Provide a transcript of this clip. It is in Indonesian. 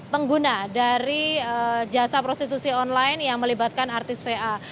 pengguna dari jasa prostitusi online yang melibatkan artis va